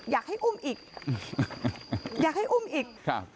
อยากให้อุ้มอีกอยากให้อุ้มอีกครับ